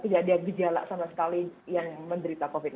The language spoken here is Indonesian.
tidak ada gejala sama sekali yang menderita covid sembilan belas ini